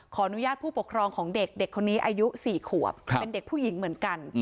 ขออนุญาตผู้ปกครองของเด็กเด็กคนนี้อายุ๔ขวบเป็นเด็กผู้หญิงเหมือนกัน